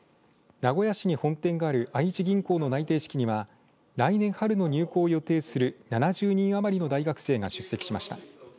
名古屋市に本店がある愛知銀行の内定式には来年春の入行を予定する７０人余りの大学生が出席しました。